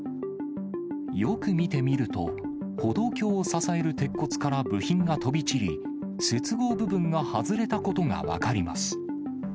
よく見てみると、歩道橋を支える鉄骨から部品が飛び散り、接合部分が外れたことが分かります。